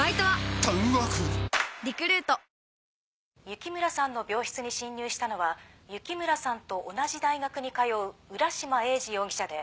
雪村さんの病室に侵入したのは雪村さんと同じ大学に通う浦島エイジ容疑者で。